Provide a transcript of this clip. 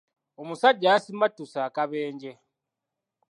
Omusajja yasimattuse akabenje.